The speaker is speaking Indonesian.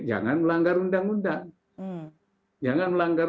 jangan melanggar undang undang